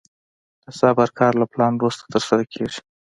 د صبر کار له پلان وروسته ترسره کېږي.